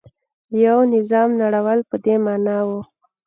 د یوه نظام نړول په دې معنا و.